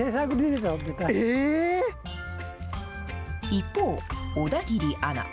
一方、小田切アナ。